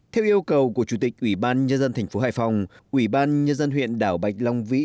theo yêu cầu của chủ tịch ủy ban nhân dân thành phố hải phòng ủy ban nhân dân huyện đảo bạch long vĩ